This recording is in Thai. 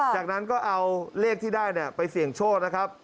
จากนั้นก็เอาเลขที่ได้ไปเสี่ยงโชคนะครับ